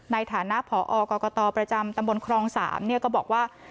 ในฐานะผอกรกตประจำตำบลครอง๓ก็บอกว่า